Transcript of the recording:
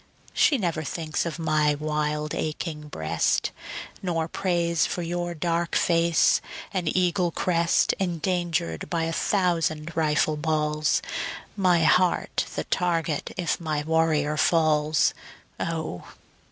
She never thinks of my wild aching breast, Nor prays for your dark face and eagle crest Endangered by a thousand rifle balls, My heart the target if my warrior falls. O!